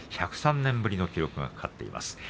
１０３年ぶりの記録が懸かっています。